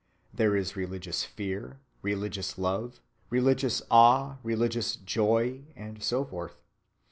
There is religious fear, religious love, religious awe, religious joy, and so forth.